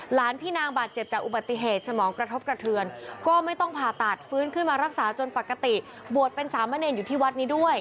หลานพี่นางบาดเจ็บจากอุบัติเหตุสมองกระทบกระเทือนก็ไม่ต้องผ่าตัดฟื้นขึ้นมารักษาจนปกติบวชเป็นสามเณรอยู่ที่วัดนี้ด้วย